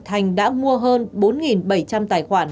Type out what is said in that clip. thành đã mua hơn bốn bảy trăm linh tài khoản